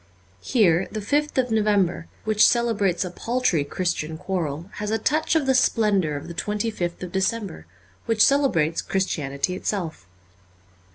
Here the 5th of November, which celebrates a paltry Christian quarrel, has a touch of the splendour of tTie 25th of December, which celebrates Christianity itself.